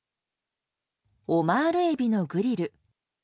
オマールエビのグリル。